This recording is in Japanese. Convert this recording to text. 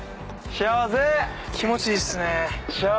気持ちいいっすね。